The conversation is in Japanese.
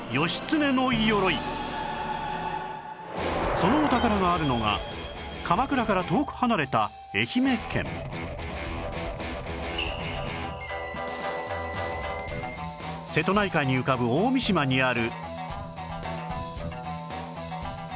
そのお宝があるのが鎌倉から遠く離れた瀬戸内海に浮かぶ大三島にある